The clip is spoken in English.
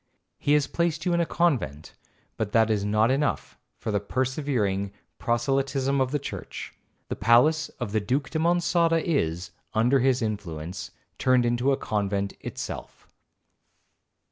He has placed you in a convent, but that is not enough for the persevering proselytism of the church. The palace of the Duke de Monçada is, under his influence, turned into a convent itself.